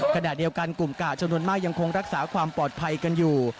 ขณะเดียวกันกลุ่มกาดจำนวนมากยังคงรักษาความปลอดภัยกันอยู่